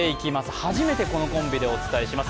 初めてこのコンビでお伝えします。